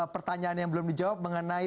pertanyaan yang belum dijawab mengenai